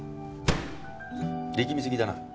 力みすぎだな。